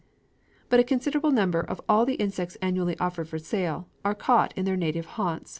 But a considerable number of all the insects annually offered for sale, are caught in their native haunts.